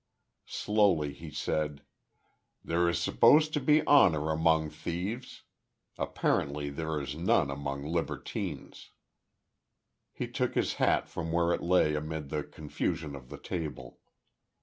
Slowly he said: "There is supposed to be honor among thieves. Apparently there is none among libertines." He took his hat from where it lay amid the confusion of the table.